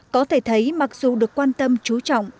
có thể thấy mặc dù được quan tâm trú trọng